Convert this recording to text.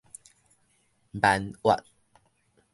閩越